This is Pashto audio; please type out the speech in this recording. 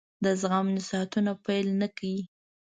د زغم نصيحتونه پیل نه کړي.